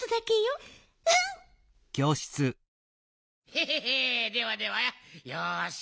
ヘヘヘではではよし。